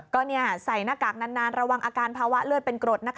ก็ใส่หน้ากากนานระวังอาการภาวะเลือดเป็นกรด